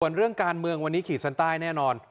ส่วนเรื่องการเมืองวันนี้ขีดเส้นใต้แน่นอน